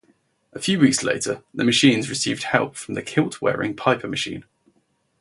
A few weeks later the Machines received help from the kilt-wearing Piper Machine.